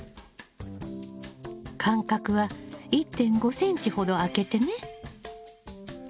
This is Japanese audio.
間隔は１．５ｃｍほど空けてね。